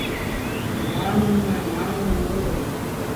مآڻهوٚݩ ميݩ مآڻهوٚݩ هُݩدو۔